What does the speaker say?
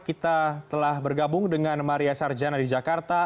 kita telah bergabung dengan maria sarjana di jakarta